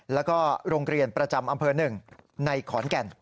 แล้วก็โรงเรียนประจำอำเภอหนึ่งในขอนแก่น